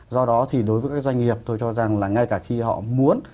do đó thì đối với các doanh nghiệp tôi cho rằng là ngay cả khi họ muốn